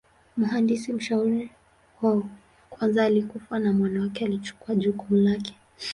Mhandisi mshauri wa kwanza alikufa na mwana wake alichukua jukumu lake.